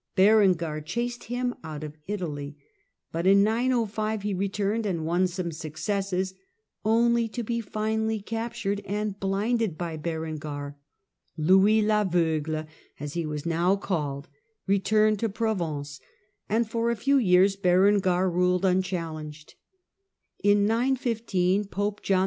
Berengar chased him out of Italy, but in 905 he returned and won some successes, only to be finally captured and blinded by Berengar. Louis l'Aveugle, as he was now called, returned to Prov ence, and for a few years Berengar ruled unchallenged. In 915 Pope John X.